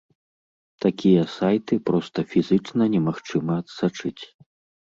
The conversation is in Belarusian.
Такія сайты проста фізычна немагчыма адсачыць.